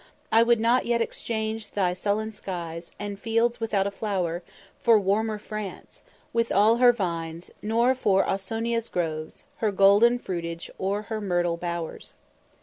I would not yet exchange thy sullen skies, And fields without a flower, for warmer France With all her vines, nor for Ausonia's groves, Her golden fruitage, or her myrtle bowers."